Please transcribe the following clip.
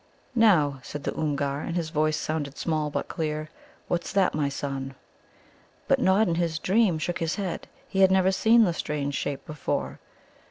"Now," said the Oomgar, and his voice sounded small but clear, "what's that, my son?" But Nod in his dream shook his head; he had never seen the strange shape before.